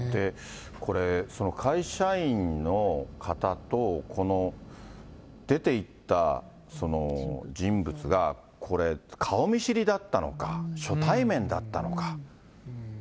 これ、会社員の方とこの出ていった人物が、これ、顔見知りだったのか、初対面だったのか。